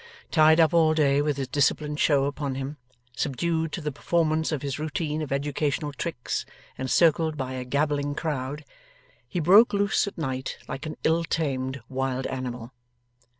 Tied up all day with his disciplined show upon him, subdued to the performance of his routine of educational tricks, encircled by a gabbling crowd, he broke loose at night like an ill tamed wild animal.